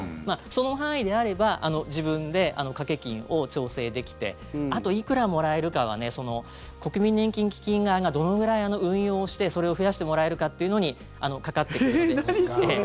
その範囲であれば自分で掛け金を調整できてあと、いくらもらえるかは国民年金基金側がどのくらい運用をしてそれを増やしてもらえるかっていうのにかかってくるので。